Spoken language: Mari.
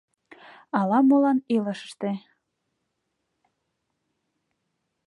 Ала-молан илышыште